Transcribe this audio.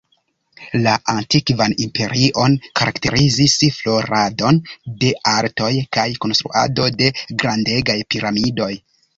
La Antikvan Imperion karakterizis florado de artoj kaj konstruado de grandegaj piramidoj.